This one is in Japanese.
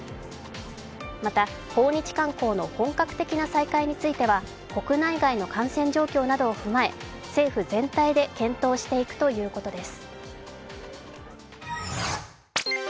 また、訪日観光の本格的な再開については国内外の感染状況などを踏まえ政府全体で検討していくということです。